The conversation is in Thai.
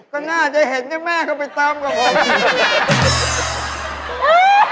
ก็น่าจะเห็นนะแม่ก็ไปตามกับผม